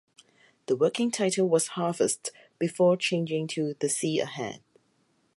The working title was "Harvest" before changing to "The sea ahead".